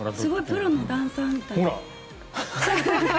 プロのダンサーみたい。